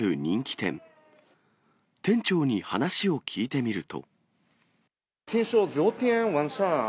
店長に話を聞いてみると。